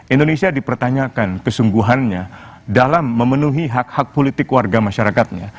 indonesia dipertanyakan kesungguhannya dalam memenuhi hak hak politik warga masyarakatnya